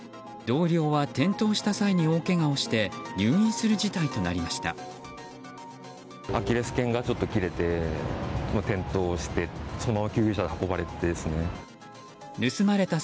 同僚は転倒した際に大けがをして入院する事態となりました。